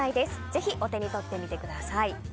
ぜひ、お手に取ってみてください。